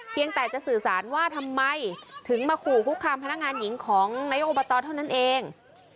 เพียงแต่จะสื่อสารว่าทำไมถึงมาขู่คุกคามพนักงานหญิงของนายกอบตเท่านั้นเอง